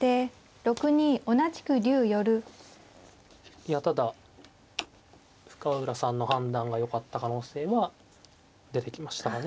いやただ深浦さんの判断が良かった可能性は出てきましたかね。